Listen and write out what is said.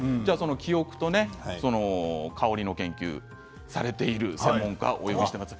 記憶と香りの研究をされている専門家をご紹介します。